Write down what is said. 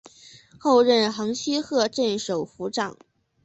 后任横须贺镇守府长。